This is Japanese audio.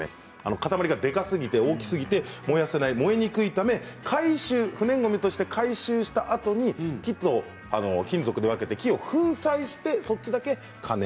塊がでかすぎて大きすぎて燃えにくいため不燃ごみとして回収したあとに木と金属に分けて、木を粉砕してそちらだけ可燃。